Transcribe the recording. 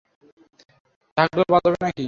ঢাকঢোল বাজাবো নাকি?